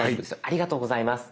ありがとうございます。